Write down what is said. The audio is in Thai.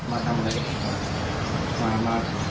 มาทำอะไรมามา